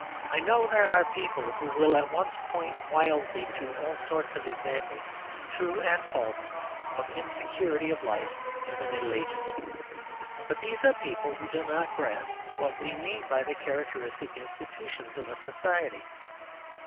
I know there are people who will at once point wildly to all sorts of examples, true and false, of insecurity of life in the Middle Ages; but these are people who do not grasp what we mean by the characteristic institutions of a society.